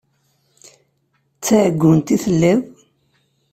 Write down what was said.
D taɛeggunt i telliḍ?